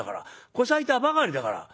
こさえたばかりだから」。